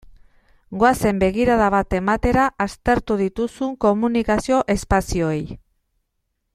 Goazen begirada bat ematera aztertu dituzun komunikazio espazioei.